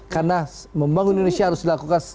karena membangun indonesia harus dilakukan